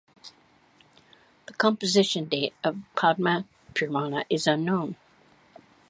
The composition date of Padma Purana is unknown.